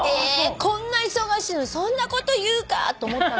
こんな忙しいのにそんなこと言うかと思ったんだけど。